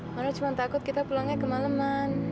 mano cuma takut kita pulangnya kemaleman